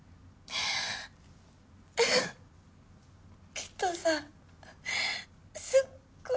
きっとさすっごい